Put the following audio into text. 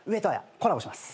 コラボします。